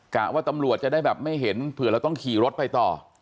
ะว่าตำรวจจะได้แบบไม่เห็นเผื่อเราต้องขี่รถไปต่อ